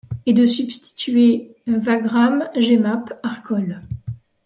Et de substituer Wagram, Jemmape, Arcole